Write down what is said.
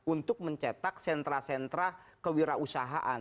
untuk mencetak sentra sentra kewirausahaan